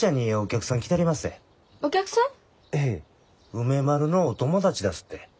梅丸のお友達だすって。